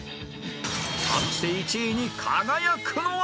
［果たして１位に輝くのは？］